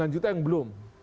sembilan juta yang belum